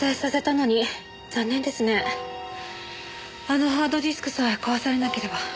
あのハードディスクさえ壊されなければ。